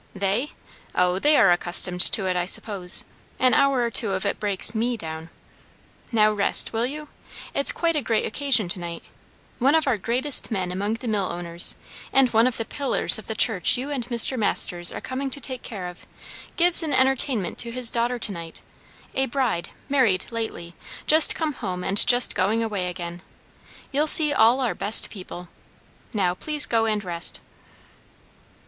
"They? O, they are accustomed to it, I suppose. An hour or two of it breaks me down. Now rest, will you? It's quite a great occasion to night. One of our greatest men among the millowners, and one of the pillars of the church you and Mr. Masters are coming to take care of, gives an entertainment to his daughter to night; a bride married lately just come home and just going away again. You'll see all our best people. Now please go and rest."